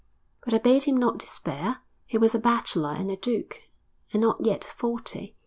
But I bade him not despair. He was a bachelor and a duke, and not yet forty.